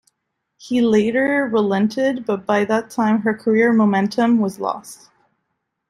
He later relented but by that time her career momentum was lost.